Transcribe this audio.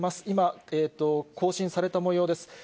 今、更新されたもようです。